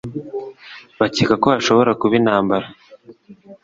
bakeka ko hashobora kuba intambara.